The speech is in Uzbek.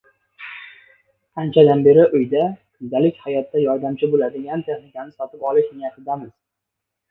Anchadan beri uyda, kundalik hayotda yordamchi bo‘ladigan texnikani sotib olish niyatidamisiz?